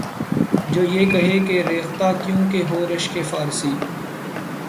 جو یہ کہے کہ ’’ ریختہ کیوں کہ ہو رشکِ فارسی؟‘‘